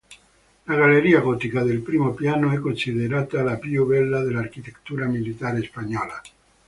La galleria gotica del primo piano è considerata la più bella dell'architettura militare spagnola.